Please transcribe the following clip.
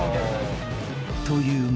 ［という